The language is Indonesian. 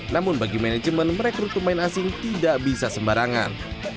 namun bagi manajemen merekrut pemain asing tidak bisa sembarangan